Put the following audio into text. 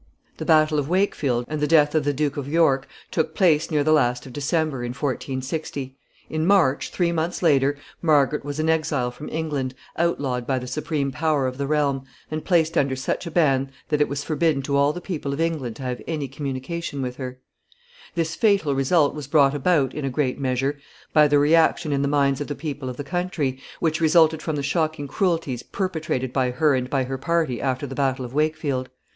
The battle of Wakefield, and the death of the Duke of York, took place near the last of December, in 1460. In March, three months later, Margaret was an exile from England, outlawed by the supreme power of the realm, and placed under such a ban that it was forbidden to all the people of England to have any communication with her. [Sidenote: Reaction.] [Sidenote: Head of the Duke of York.] This fatal result was brought about, in a great measure, by the reaction in the minds of the people of the country, which resulted from the shocking cruelties perpetrated by her and by her party after the battle of Wakefield.